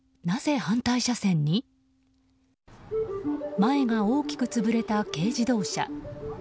前が大きく潰れた軽自動車。